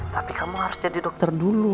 tapi kamu harus jadi dokter dulu